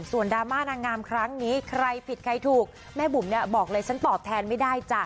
ส่วนดราม่านางงามครั้งนี้ใครผิดใครถูกแม่บุ๋มเนี่ยบอกเลยฉันตอบแทนไม่ได้จ้ะ